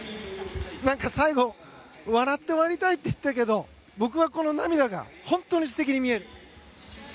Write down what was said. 何か最後笑って終わりたいって言ってたけど僕はこの涙が本当に素敵に見える。